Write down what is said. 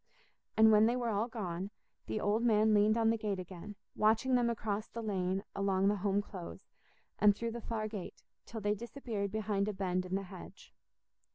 And when they were all gone, the old man leaned on the gate again, watching them across the lane along the Home Close, and through the far gate, till they disappeared behind a bend in the hedge.